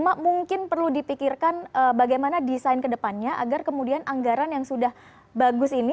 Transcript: mak mungkin perlu dipikirkan bagaimana desain kedepannya agar kemudian anggaran yang sudah bagus ini